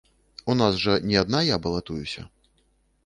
У нас жа не адна я балатуюся.